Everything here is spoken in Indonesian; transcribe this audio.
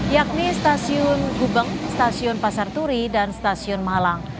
yakni stasiun gubeng stasiun pasar turi dan stasiun malang